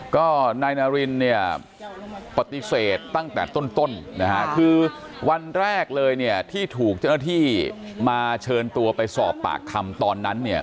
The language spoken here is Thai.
ก็นายนารินปฏิเสธตั้งแต่ต้นคือวันแรกเลยที่ถูกเจ้าหน้าที่มาเชิญตัวไปสอบปากคำตอนนั้น